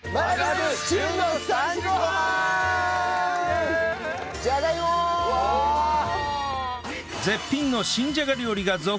絶品の新じゃが料理が続々登場！